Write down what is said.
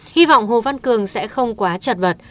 hy vọng hồ văn cường sẽ không quá chật vật